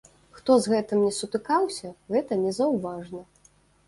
Хто з гэтым не сутыкаўся, гэта незаўважна.